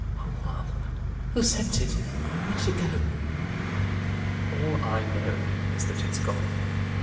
Oh, ma'am! Who sent it? When did it go?" "All I know is, that's its gone. Mr.